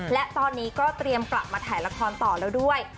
และตอนนี้ก็เตรียมกลับมาถ่ายละครต่อแล้วด้วย